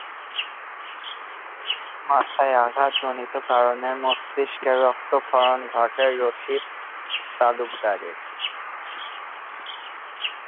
মাথায় আঘাতজনিত কারণে মস্তিষ্কে রক্তক্ষরণ ঘটে রশীদ তালুকদারের।